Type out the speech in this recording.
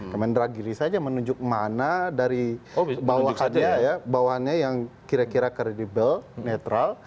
kemendagri saja menunjuk mana dari bawahannya ya bawahannya yang kira kira kredibel netral